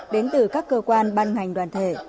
đến từ các cơ quan ban ngành đoàn thể